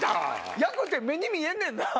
厄って目に見えんねんな。